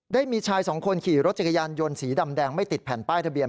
ได้มีชายสองคนขี่รถจักรยานยนต์สีดำแดงไม่ติดแผ่นป้ายทะเบียน